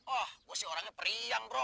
oh gue sih orangnya periang bro